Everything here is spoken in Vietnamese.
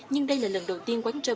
nhưng đây là lần đầu tiên quán chơi